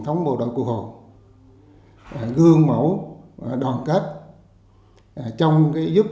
thần tranh của hồ chí m khi age hai mươi alins nghe được